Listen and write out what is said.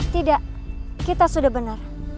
tidak kita sudah benar